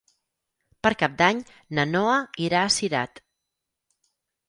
Per Cap d'Any na Noa irà a Cirat.